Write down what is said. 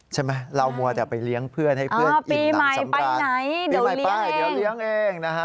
ใช่ไหมเรามัวแต่ไปเลี้ยงเพื่อนให้เพื่อนอิ่มหลังสำบรรยาปีใหม่ไปไหนเดี๋ยวเลี้ยงเอง